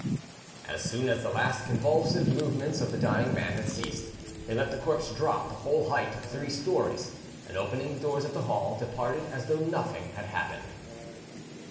As soon as the last convulsive movements of the dying man had ceased, they let the corpse drop the whole height of the three storeys, and opening the doors of the hall, departed as though nothing had happened.